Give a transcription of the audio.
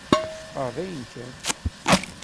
Tḥeqqeɣ dayen kan.